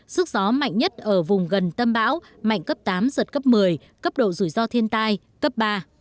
sức gió mạnh nhất ở vùng gần tâm bão mạnh cấp tám giật cấp một mươi cấp độ rủi ro thiên tai cấp ba